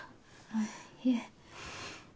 あいえ。